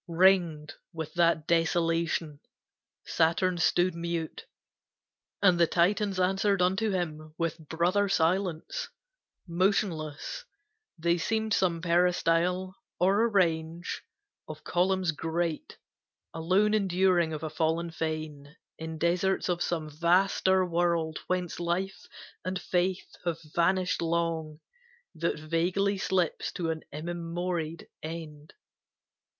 Ringed with that desolation, Saturn stood Mute, and the Titans answered unto him With brother silence. Motionless, they seemed Some peristyle or range of columns great, Alone enduring of a fallen fane In deserts of some vaster world whence Life And Faith have vanished long, that vaguely slips To an immemoried end.